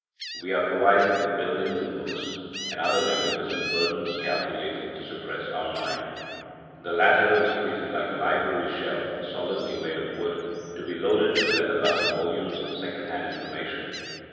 We are provided with buildings and books and other magnificent burdens calculated to suppress our mind. The latter was treated like a library shelf solidly made of wood, to be loaded with leather bound volumes of second hand information.